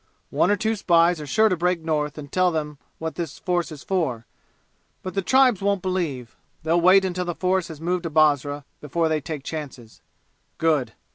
One or two spies are sure to break North and tell them what this force is for but the tribes won't believe. They'll wait until the force has moved to Basra before they take chances. Good!